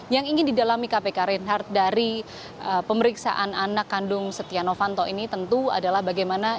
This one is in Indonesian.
yang ingin didalami kpk reinhardt dari pemeriksaan anak kandung setia novanto ini tentu adalah bagaimana